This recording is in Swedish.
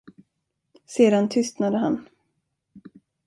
Sedan tystnade han.